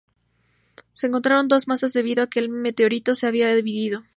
Se encontraron dos masas debido a que el meteorito se había dividido.